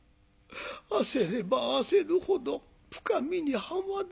焦れば焦るほど深みにはまる。